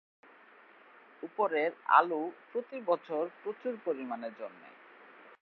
উপরের আলু প্রতি বছর প্রচুর পরিমানে জন্মে।